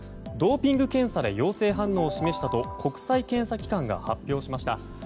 ドーピング検査で陽性反応を示したと国際検査機関が発表しました。